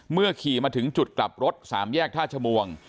เมื่อขี่มาถึงจุดกลับรถ๓แยกท่าชมวง